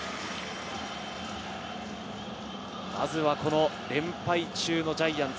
まずは連敗中のジャイアンツ。